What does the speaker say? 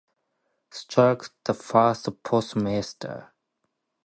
Starke the first postmaster.